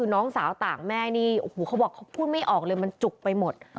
น้องสาวต่างแม่นี่โอ้โหเขาบอกเขาพูดไม่ออกเลยมันจุกไปหมด